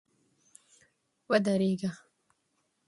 ودرېږه !